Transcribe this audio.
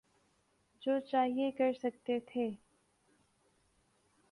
جو چاہے کر سکتے تھے۔